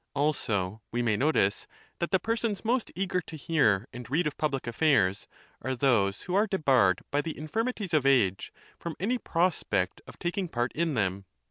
Also we may notice that the persons most eager to hear and read of public affairs are those who are debarred by the infirmities of age from any prospect of taking part in them.